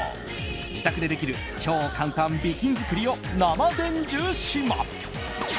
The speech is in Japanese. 自宅でできる超簡単美筋作りを生伝授します。